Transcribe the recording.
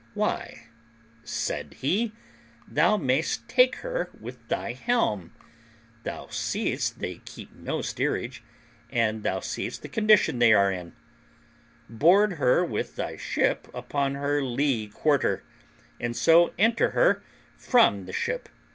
"Why," said he, "thou mayest take her with thy helm; thou seest they keep no steerage, and thou seest the condition they are in; board her with thy ship upon her lee quarter, and so enter her from the ship.